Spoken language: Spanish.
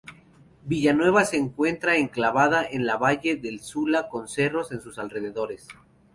Villanueva se encuentra enclavada en el Valle de Sula con cerros en sus alrededores.